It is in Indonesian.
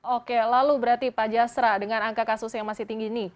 oke lalu berarti pak jasra dengan angka kasus yang masih tinggi ini